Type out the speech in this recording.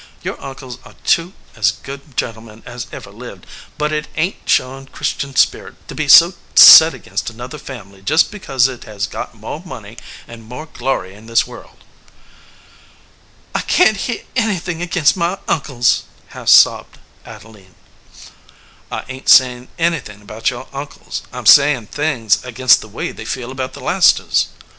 "Your uncles are two as good gen tlemen as ever lived, but it ain t showing Christian spirit to be so set against another family just be cause it has got more money and more glory in this world." "I can t hear anything against my uncles," half sobbed Adeline. "I ain t saying anything against your uncles. 65 EDGEWATER PEOPLE I m saying things against the way they feel about the Leicesters."